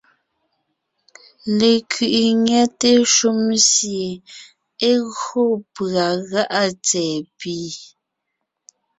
Lekẅiʼi nyɛte shúm sie é gÿo pʉ̀a gá’a tsɛ̀ɛ pì,